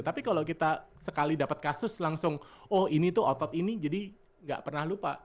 tapi kalau kita sekali dapat kasus langsung oh ini tuh otot ini jadi gak pernah lupa